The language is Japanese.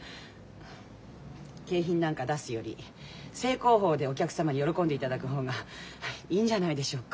景品なんか出すより正攻法でお客様に喜んでいただく方がいいんじゃないでしょうか。